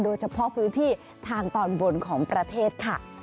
โดยเฉพาะพื้นที่ทางตอนบนของประเทศค่ะ